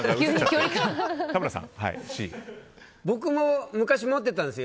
僕も昔持ってたんです。